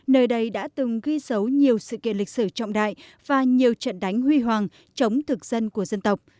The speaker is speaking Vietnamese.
nơi đây đã từng ghi dấu nhiều sự kiện lịch sử trọng đại và nhiều trận đánh huy hoàng chống thực dân của dân tộc